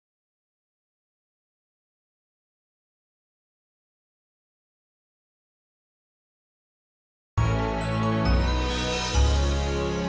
aku bisa nungguin kamu di rumah